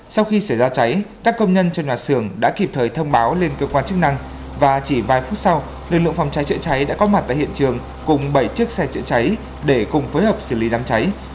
sau khi xảy ra cháy các công nhân trên nhà xưởng đã kịp thời thông báo lên cơ quan chức năng và chỉ vài phút sau lực lượng phòng cháy chữa cháy đã có mặt tại hiện trường cùng bảy chiếc xe chữa cháy để cùng phối hợp xử lý đám cháy